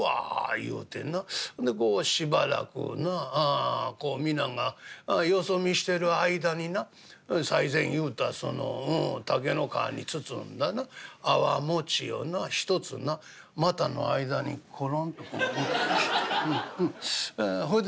言うてなほんでこうしばらくなああ皆がよそ見してる間にな最前言うたその竹の皮に包んだな粟をなひとつな股の間にコロンとこう落として。